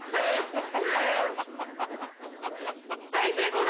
大成功だ！